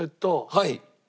はい。